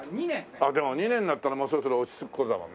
あっでも２年になったらそろそろ落ち着く頃だもんね。